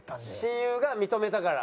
親友が認めたから。